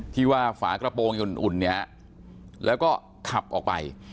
ที่ว่าฝากระโปรงจนอุ่นเนี่ยฮะแล้วก็ขับออกไป